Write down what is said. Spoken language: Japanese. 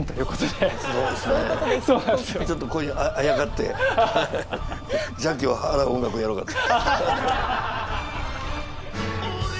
ちょっとあやかって邪気を払う音楽をやろうかと。